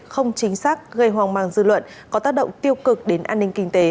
không chính xác gây hoang mang dư luận có tác động tiêu cực đến an ninh kinh tế